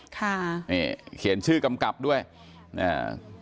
ค่าเฮ้เขียนชื่อกำกลับด้วยนี่